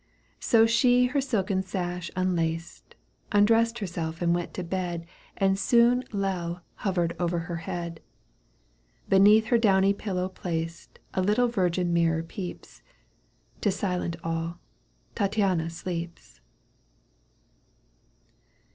So she her silken sash unlaced, Undressed herself and went to bed And soon Lei hovered o'er her head.^* Beneath her downy pillow placed, A little virgin mirror peeps. ' s silent all. Tattiana sleeps.